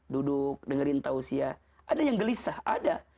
duduk dengerin tausiah ada yang gelisah ada